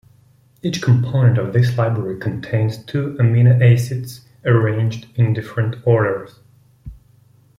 Each component of this library contains two amino acids arranged in different orders.